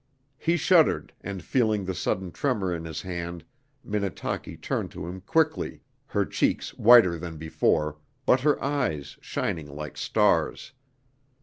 He shuddered, and feeling the sudden tremor in his hand Minnetaki turned to him quickly, her cheeks whiter than before, but her eyes shining like stars.